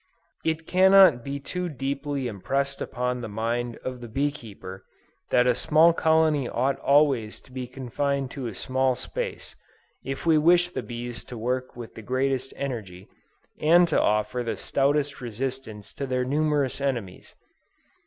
It cannot be too deeply impressed upon the mind of the bee keeper, that a small colony ought always to be confined to a small space, if we wish the bees to work with the greatest energy, and to offer the stoutest resistance to their numerous enemies.